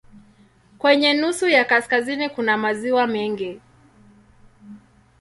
Kwenye nusu ya kaskazini kuna maziwa mengi.